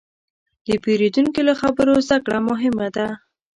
د پیرودونکي له خبرو زدهکړه مهمه ده.